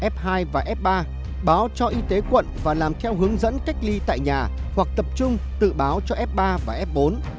f hai và f ba báo cho y tế quận và làm theo hướng dẫn cách ly tại nhà hoặc tập trung tự báo cho f ba và f bốn